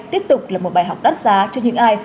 tiếp tục là một bài học đắt giá cho những ai